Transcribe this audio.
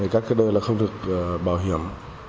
các cái đôi là không được bảo hiểm